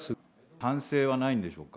反省はないんでしょうか。